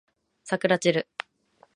さくらちる